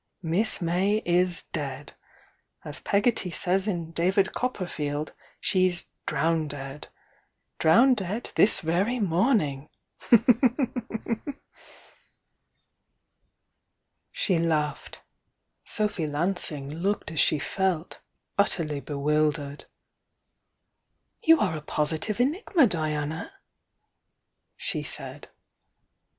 Miss May is dead! As Pegotty says in 'David Copperfield,' she's 'drowndead.' 'Drowndead' this very morning!" She laughed; Sophy Lansing looked as she felt, utterly bewildered. "You are a positive enigma, Diana!" she said.